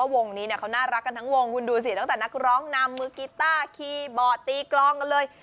วงนี้เขาน่ารักกันทั้งวงคุณดูสิตั้งแต่นักร้องนำมือกีต้าคีย์บอร์ดตีกลองกันเลย